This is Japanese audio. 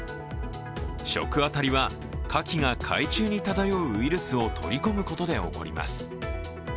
食あたりはかきが海中に漂うウイルスを取り込むことで起こります。